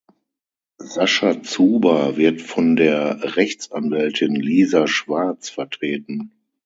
Sascha Zuber wird von der Rechtsanwältin Lisa Schwarz vertreten.